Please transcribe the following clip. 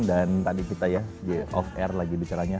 dan tadi kita ya di off air lagi bicaranya